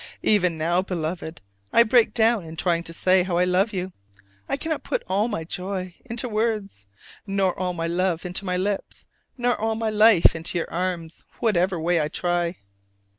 Even now, Beloved, I break down in trying to say how I love you. I cannot put all my joy into my words, nor all my love into my lips, nor all my life into your arms, whatever way I try.